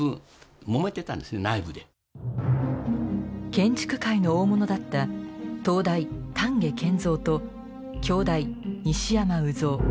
建築界の大物だった東大丹下健三と京大西山夘三。